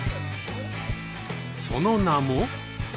その名も。